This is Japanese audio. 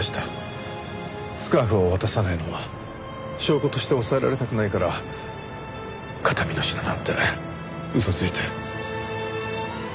スカーフを渡さないのも証拠として押さえられたくないから形見の品なんて嘘ついて。